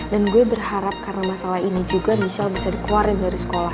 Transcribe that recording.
dan gue berharap karena masalah ini juga bisa dikeluarin dari sekolah